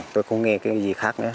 tôi không nghe cái gì khác nữa